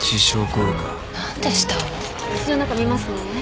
口の中診ますね。